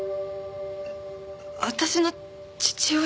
私の父親？